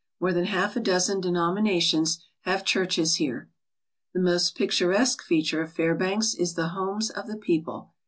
More than half a dozen denominations have churches here. The most picturesque feature of Fairbanks is the homes of the people.